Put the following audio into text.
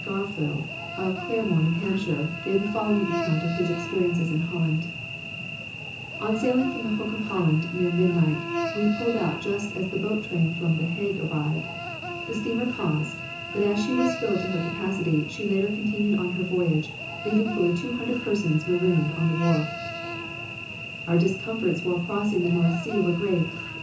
Garfield, of Claremore, N. H., gave the following account of his experiences in Holland: "On sailing from the Hook of Holland near midnight we pulled out just as the boat train from The Hague arrived. The steamer paused, but as she was filled to her capacity she later continued on her voyage, leaving fully two hundred persons marooned on the wharf. "Our discomforts while crossing the North Sea were great.